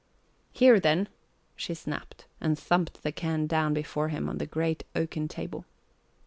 "Here then!" she snapped, and thumped the can down before him on the great oaken table.